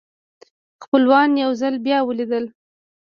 خپلوان یو ځل بیا ولیدل.